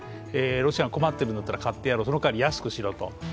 ロシアが困っているんだったら買ってやろうその代わり安くしろと。